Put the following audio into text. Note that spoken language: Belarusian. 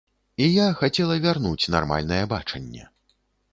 І я хацела вярнуць нармальнае бачанне.